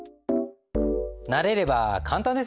慣れれば簡単ですよね？